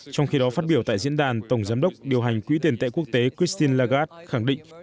trong khi đó phát biểu tại diễn đàn tổng giám đốc điều hành quỹ tiền tệ quốc tế christine lagard khẳng định